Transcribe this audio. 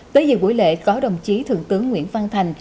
tới dự buổi lễ có đồng chí thượng tướng nguyễn văn thành